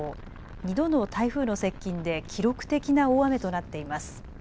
２度の台風の接近で記録的な大雨となっています。